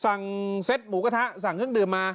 เซ็ตหมูกระทะสั่งเครื่องดื่มมา